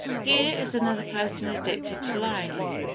Here is another person addicted to lying.